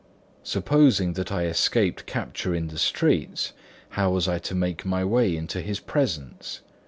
Supposing that I escaped capture in the streets, how was I to make my way into his presence?